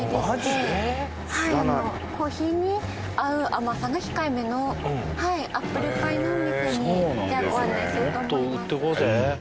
知らないコーヒーに合う甘さが控えめのアップルパイのお店にご案内すると思います